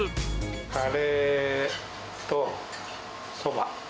カレーとそば。